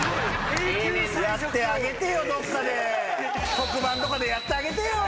特番とかでやってあげてよ。